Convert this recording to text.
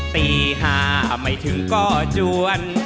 ตี๕ไม่ถึงก็จวน